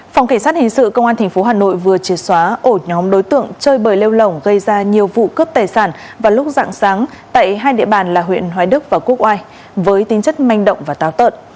phòng cảnh sát hình sự công an tp hà nội vừa triệt xóa ổ nhóm đối tượng chơi bời lêu lỏng gây ra nhiều vụ cướp tài sản vào lúc dạng sáng tại hai địa bàn là huyện hoài đức và quốc oai với tính chất manh động và táo tợn